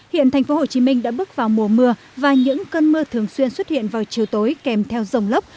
hiện thành phố hồ chí minh đã bước vào mùa mưa và những cơn mưa thường xuyên xuất hiện vào chiều tối kèm theo dòng lốc